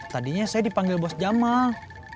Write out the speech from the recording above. tadinya saya dipanggil bos jamal